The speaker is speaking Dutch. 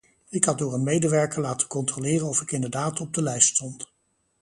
Ik had door een medewerker laten controleren of ik inderdaad op de lijst stond.